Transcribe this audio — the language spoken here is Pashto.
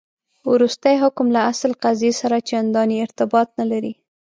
وروستی حکم له اصل قضیې سره چنداني ارتباط نه لري.